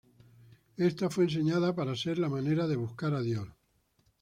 Ésta fue enseñada para ser la manera de buscar a dios.